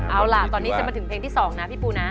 เอาล่ะตอนนี้จะมาถึงเพลงที่๒นะพี่ปูนะ